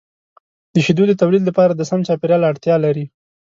د شیدو د تولید لپاره د سم چاپیریال اړتیا لري.